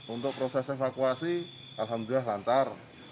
untuk proses evakuasi alhamdulillah lancar